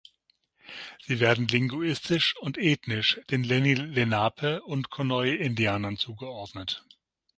Sie werden linguistisch und ethnisch den Lenni-Lenape- und Conoy-Indianern zugeordnet.